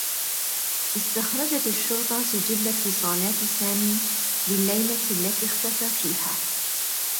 أستخرجت الشرطة سجل اتّصالات سامي للّيلة التي اختفى فيها.